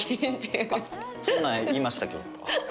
そんなん言いましたっけ？